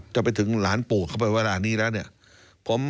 จะไปถึงหลานปู่เข้าไปเวลานี้แล้วเนี่ย